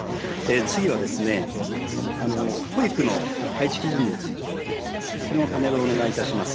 次はですね、保育の配置基準について、これもパネルをお願いいたします。